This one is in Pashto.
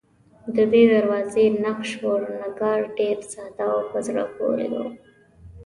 ددې دروازې نقش و نگار ډېر ساده او په زړه پورې و.